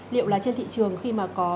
liệu là trên thị trường khi mà có